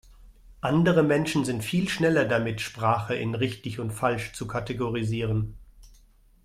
Andere Menschen sind viel schneller damit, Sprache in richtig und falsch zu kategorisieren.